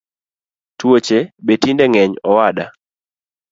Tuoche betinde ngeny owada